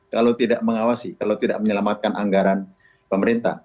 kalau tidak mengawasi kalau tidak menyelamatkan anggaran pemerintah